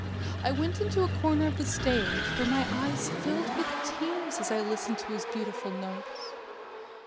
I went into a corner of the stage, for my eyes filled with tears as I listened to his beautiful notes.